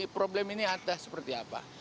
problem ini ada seperti apa